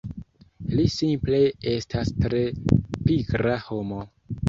Li simple estas tre pigra homo